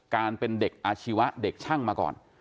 การเป็นเด็กอาชีวะเด็กช่างมาก่อน